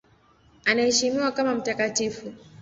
Anaheshimiwa kama mtakatifu.